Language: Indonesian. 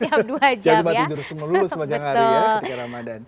jangan lupa tidur semuanya sepanjang hari ya ketika ramadhan